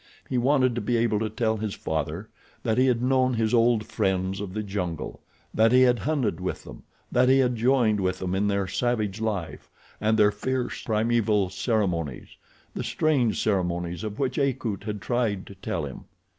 He wanted to be able to tell his father that he had known his old friends of the jungle, that he had hunted with them, that he had joined with them in their savage life, and their fierce, primeval ceremonies—the strange ceremonies of which Akut had tried to tell him.